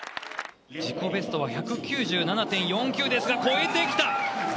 自己ベストは１９７．４９ですが、超えてきた。